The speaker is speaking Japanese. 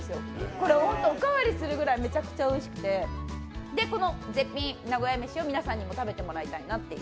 これ、本当におかわりするぐらい、めちゃくちゃおいしくて、この絶品・名古屋めしを皆さんにも食べていただきたいなと。